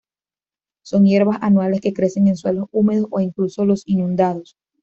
Son hierbas anuales que crecen en suelos húmedo o incluso los inundados.